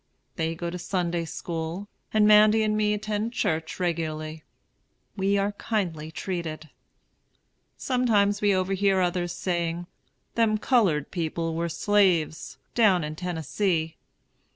They go to Sunday school, and Mandy and me attend church regularly. We are kindly treated. Sometimes we overhear others saying, "Them colored people were slaves" down in Tennessee.